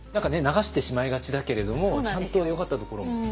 流してしまいがちだけれどもちゃんとよかったところも。